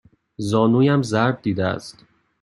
زانویم ضرب دیده است.